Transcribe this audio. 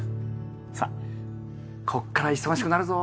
さあこっから忙しくなるぞ！